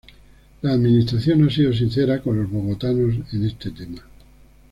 La administración no ha sido sincera con los bogotanos en este tema.